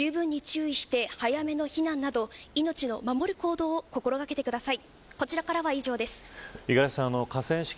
じゅうぶんに注意して早めの避難など命を守る行動を心掛けてください。